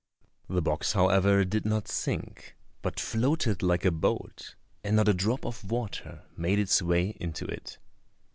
The box, however, did not sink, but floated like a boat, and not a drop of water made its way into it.